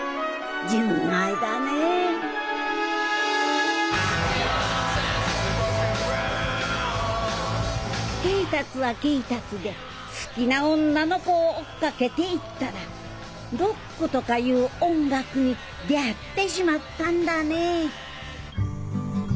純愛だねえ恵達は恵達で好きな女の子を追っかけていったらロックとかいう音楽に出会ってしまったんだねえ